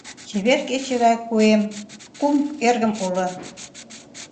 Чевер кече гай кум эргым уло